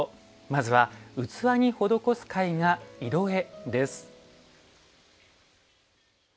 まずは器に施す絵画「色絵」です。